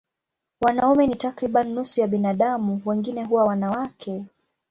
Wanaume ni takriban nusu ya binadamu, wengine huwa wanawake.